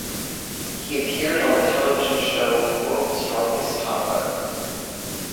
He appeared on the television show, "World's Strongest Toddler".